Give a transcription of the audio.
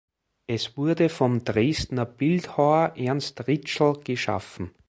Es wurde vom Dresdner Bildhauer Ernst Rietschel geschaffen.